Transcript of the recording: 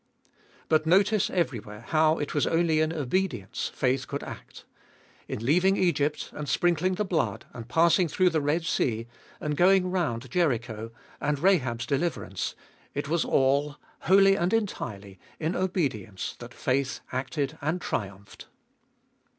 2. But notice everywhere how it was only in obedience faith could act. In leaving Egypt, and sprinkling the blood, and passing through the Red Sea, and going round Jericho, ana Rahab's deliverance— it was all, wholly and entirely, in obedience that faith acted and triumphed.